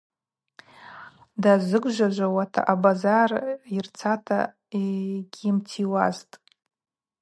Дазыгвжважвата абазар йырцата йыгьйымтийуазтӏ.